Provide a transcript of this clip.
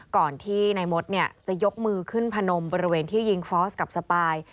ก่อนที่นายมดจะยกมือขึ้นพนมบริเวณที่ยิงฟอสกับสปาย